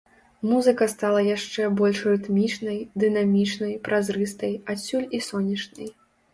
Музыка стала яшчэ больш рытмічнай, дынамічнай, празрыстай, адсюль і сонечнай.